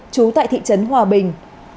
trú tại thị trấn hòa bình